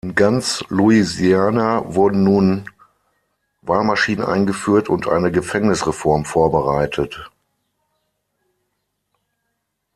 In ganz Louisiana wurden nun Wahlmaschinen eingeführt und eine Gefängnisreform vorbereitet.